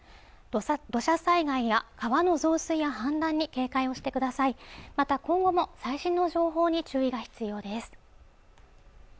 土砂災害や川の増水や氾濫に警戒をしてくださいまた今後も最新の情報に注意が必要です